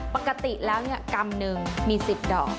ปกติแล้วกรัมหนึ่งมี๑๐ดอก